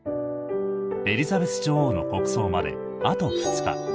エリザベス女王の国葬まであと２日。